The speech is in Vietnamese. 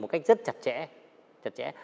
một cách rất chặt chẽ